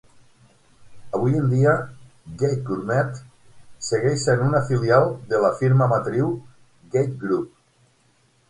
Avui en dia, Gategourmet segueix sent una filial de la firma matriu Gate Group.